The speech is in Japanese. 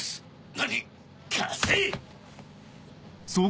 何⁉貸せ！